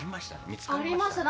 見つかりました。